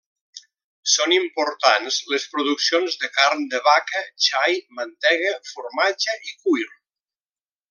Són importants les produccions de carn de vaca, xai, mantega, formatge i cuir.